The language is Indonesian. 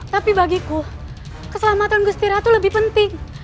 tapi bagiku keselamatan gusti ratu lebih penting